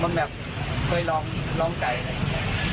มันแบบเคยลองใจแบบนี้